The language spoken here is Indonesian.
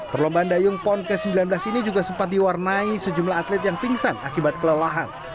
perlombaan dayung pon ke sembilan belas ini juga sempat diwarnai sejumlah atlet yang pingsan akibat kelelahan